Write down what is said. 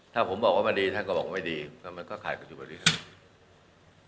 ถ้าผมบอกว่ามันดีท่านก็บอกไม่ดีก็มันก็ขาดไปอยู่พอดีครับ